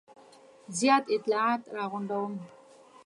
زیات اطلاعات را غونډوم.